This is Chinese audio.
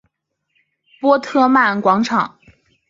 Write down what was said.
波特曼广场。